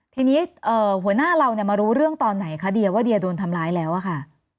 ทีนี้หัวหน้าเรามารู้เรื่องตอนไหนคะเดียว่าเดียโดนทำร้ายแล้วอะค่ะ